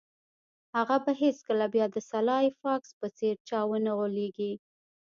هغه به هیڅکله بیا د سلای فاکس په څیر چا ونه غولیږي